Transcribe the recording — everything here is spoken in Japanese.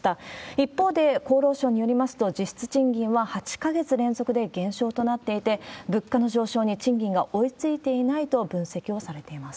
一方で、厚労省によりますと、実質賃金は８か月連続で減少となっていて、物価の上昇に賃金が追いついていないと分析をされています。